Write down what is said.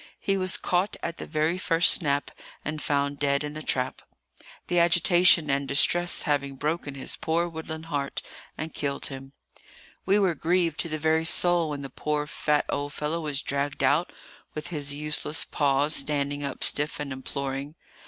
He was caught at the very first snap, and found dead in the trap,—the agitation and distress having broken his poor woodland heart, and killed him. We were grieved to the very soul when the poor fat old fellow was dragged out, with his useless paws standing up stiff and imploring.